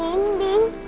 anak bernama ninding